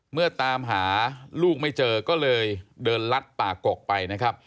เมื่อตามหาลูกไม่เจอก็เลยเดินลัดป่ากกไปนะครับ